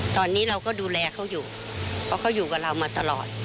ตอนนี้เราก็ดูแลเขาอยู่เพราะเขาอยู่กับเรามาตลอด